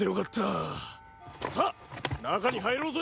さっ中に入ろうぜ！